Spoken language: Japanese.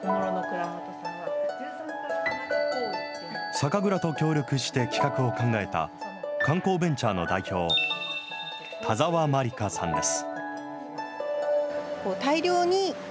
酒蔵と協力して企画を考えた、観光ベンチャーの代表、田澤麻里香さんです。